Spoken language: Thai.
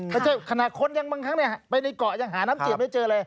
ไม่ใช่ขณะค้นยังบางครั้งไปในเกาะยังหาน้ำจืดไม่เจอเลย